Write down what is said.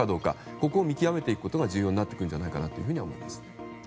ここを見極めていくことが重要になってくるんじゃないかなと思います。